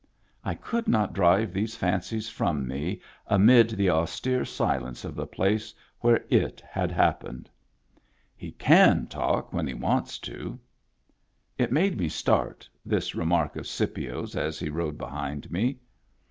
I could not drive these fancies from me amid the austere silence of the place where it had happened. " He can talk when he wants to." It made me start, this remark of Scipio's as he rode behind me.